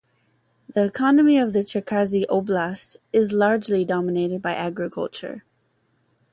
The economy of the Cherkasy Oblast is largely dominated by agriculture.